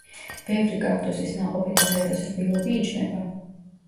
ბევრი კაქტუსის ნაყოფი და ღეროს რბილობი იჭმება.